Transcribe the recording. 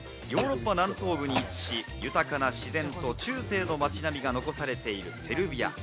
ヨーロッパ南東部に位置し、豊かな自然と中世の街並みが残されているセルビア。